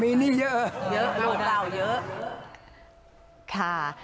มีนี่เยอะ